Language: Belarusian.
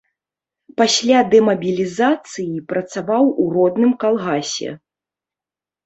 Пасля дэмабілізацыі працаваў у родным калгасе.